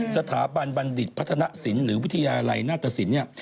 สถาบันบันดิตพัฒนศิลป์หรือวิทยาลัยนาฏศิลป์